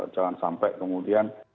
jangan sampai kemudian